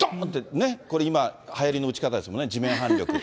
ね、これ今、はやりの打ち方ですもんね、地面反力。